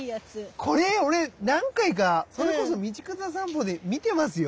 これ俺何回かそれこそ「道草さんぽ」で見てますよ。